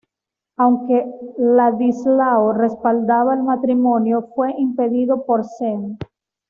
Aunque Vladislao respaldaba el matrimonio, fue impedido por el "Sejm".